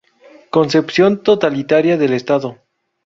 Concepción totalitaria del Estado.